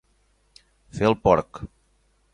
Fer el porc.